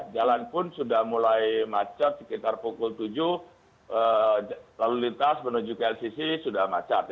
jalan pun sudah mulai macet sekitar pukul tujuh lalu lintas menuju ke lcc sudah macet